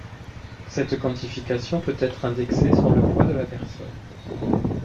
Cette quantification peut être indexé sur le poids de la personne.